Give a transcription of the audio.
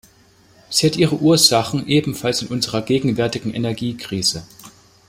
Sie hat ihre Ursachen ebenfalls in unserer gegenwärtigen Energiekrise.